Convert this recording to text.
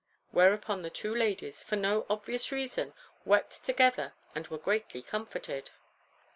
Whereupon the two ladies, for no obvious reason, wept together and were greatly comforted.